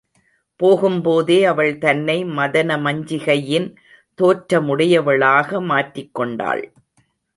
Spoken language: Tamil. போகும் போதே அவள், தன்னை மதனமஞ்சிகையின் தோற்றமுடையவளாக மாற்றிக் கொண்டாள்.